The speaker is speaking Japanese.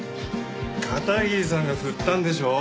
片桐さんが振ったんでしょう。